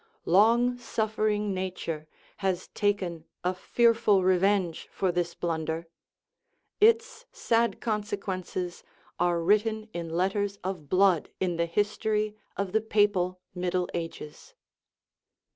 Long suffering nature has taken a fearful revenge for this blunder; its sad consequences are written in letters of blood in the his tory of the papal Middle Ages.